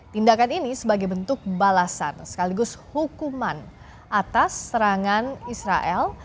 tindakan ini sebagai bentuk balasan sekaligus hukuman atas serangan israel